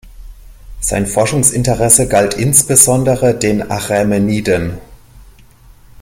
Sein Forschungsinteresse galt insbesondere den Achämeniden.